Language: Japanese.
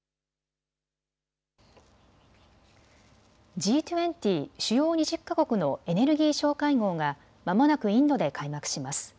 Ｇ２０・主要２０か国のエネルギー相会合がまもなくインドで開幕します。